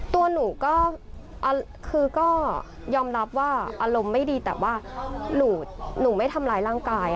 ตัวหนูก็คือก็ยอมรับว่าอารมณ์ไม่ดีแต่ว่าหนูไม่ทำร้ายร่างกาย